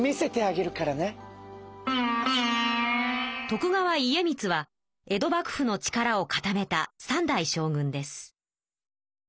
徳川家光は江戸幕府の力を固めた３代将軍です。